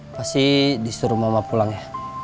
pasti disuruh mama pulang ya